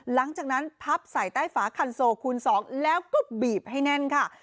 หลังจากนั้นพับใส่ใต้ฝาคันโซคูณ๒แล้วก็บีบให้แน่นค่ะ